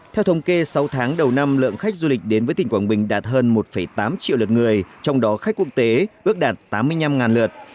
theo thống kê sáu tháng đầu năm lượng khách du lịch đến với tỉnh quảng bình đạt hơn một tám triệu lượt người trong đó khách quốc tế ước đạt tám mươi năm lượt